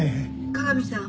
加賀美さん